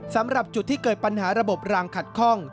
สำหรับจุดที่เกิดปัญหาระบบรางขัดข้อง